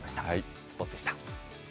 スポーツでした。